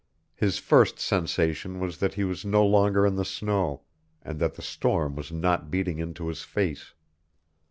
His first sensation was that he was no longer in the snow and that the storm was not beating into his face.